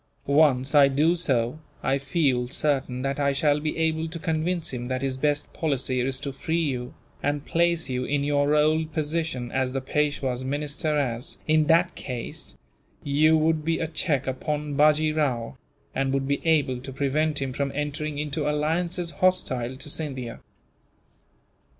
Once I do so, I feel certain that I shall be able to convince him that his best policy is to free you, and place you in your old position as the Peishwa's minister as, in that case, you would be a check upon Bajee Rao, and would be able to prevent him from entering into alliances hostile to Scindia."